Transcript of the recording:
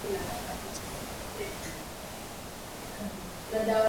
alichanguliwa kuwa mbunge wa jimbo la lindi mjini